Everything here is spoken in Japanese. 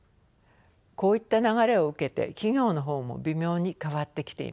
こういった流れを受けて企業の方も微妙に変わってきています。